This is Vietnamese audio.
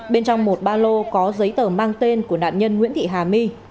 bên trong một ba lô có giấy tờ mang tên của nạn nhân nguyễn thị hà my